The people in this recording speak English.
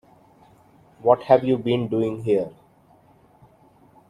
What have you been doing here?